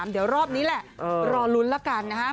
เดี๋ยวรอบนี้แหละรอลุ้นละกันนะครับ